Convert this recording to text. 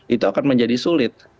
itu akan menjadi sulit